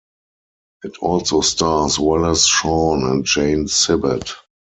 It also stars Wallace Shawn and Jane Sibbett.